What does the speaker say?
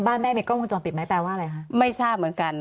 แม่มีกล้องวงจรปิดไหมแปลว่าอะไรคะไม่ทราบเหมือนกัน